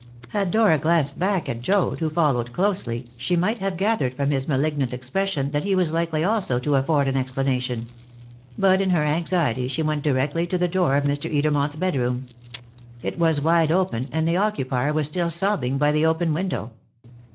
Had Dora glanced back at Joad, who followed closely, she might have gathered from his malignant expression that he was likely also to afford an explanation; but in her anxiety she went directly to the door of Mr. Edermont's bedroom. It was wide open, and the occupier was still sobbing by the open window.